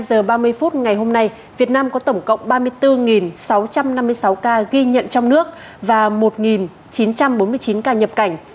một mươi giờ ba mươi phút ngày hôm nay việt nam có tổng cộng ba mươi bốn sáu trăm năm mươi sáu ca ghi nhận trong nước và một chín trăm bốn mươi chín ca nhập cảnh